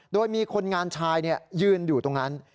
โดยมีคนงานชายยืนอยู่ตรงนั้น